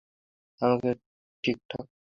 আমাকে ঠিকঠাক দেখতে পারিস?